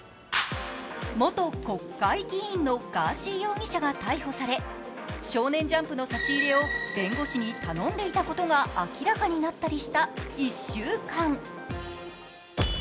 元国会議員のガーシー容疑者が逮捕され「少年ジャンプ」の差し入れを弁護士に頼んでいたことが明らかになったりした１週間。